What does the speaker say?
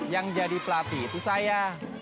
yang jadi pelatih itu saya